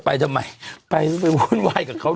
ไปจะไม่อ่ะไม่มีเงินซื้อกับเขา